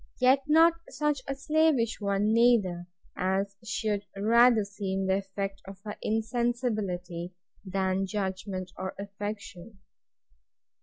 Yet not such a slavish one neither, as should rather seem the effect of her insensibility, than judgment or affection.